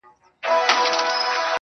اوس مي د هغي دنيا ميـر ويـــده دی~